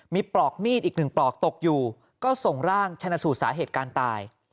มีปลอกมีดอีกหนึ่งปลอกตกอยู่ก็ส่งร่างชนะสูตรสาเหตุการตาย